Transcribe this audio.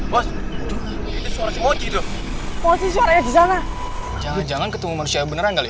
bos itu suara mochi itu posisi suaranya di sana jangan jangan ketemu manusia beneran kali